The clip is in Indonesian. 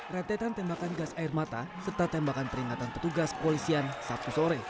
rentetan tembakan gas air mata serta tembakan peringatan petugas polisian sabtu sore